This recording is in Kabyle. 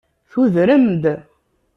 Tudrem-d.